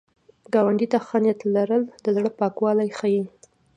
ګاونډي ته ښه نیت لرل، د زړه پاکوالی ښيي